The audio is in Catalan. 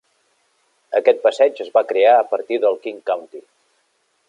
Aquest passeig es va crear a partir del King County.